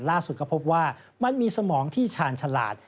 ล่าสุดก็พบว่ามันมีสมองที่ชาญฉลาด